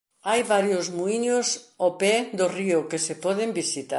Hai varios muíños ao pé do río que se poden visitar.